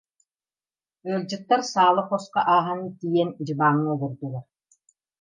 Ыалдьыттар саала хоско ааһан, тиийэн дьыбааҥҥа олордулар